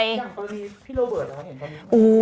สีวิต้ากับคุณกรนิดหนึ่งดีกว่านะครับแฟนแห่เชียร์หลังเห็นภาพ